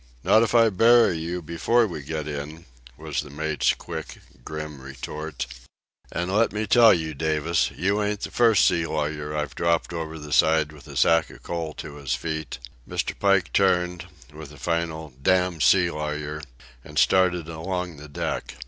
"Not if I bury you before we get in," was the mate's quick, grim retort. "And let me tell you, Davis, you ain't the first sea lawyer I've dropped over the side with a sack of coal to his feet." Mr. Pike turned, with a final "Damned sea lawyer!" and started along the deck.